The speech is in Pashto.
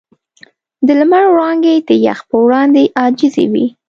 د لمر وړانګې د یخ پر وړاندې عاجزې وې.